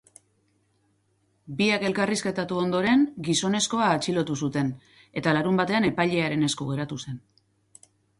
Biak elkarrizketatu ondoren, gizonezkoa atxilotu zuten eta larunbatean epailearen esku geratu zen.